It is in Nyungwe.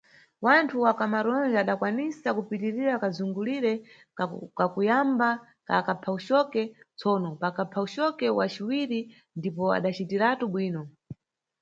Wanthu wa kuCamarões adakwanisa kupitirira kazungulire kakuyamba ka akaphawucoke, tsono pakaphawucoke wa ciwiri ndipo adacitiratu bwino.